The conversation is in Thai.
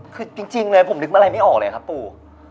คือจริงเลยผมนึกอะไรไม่ออกเลยครับปู่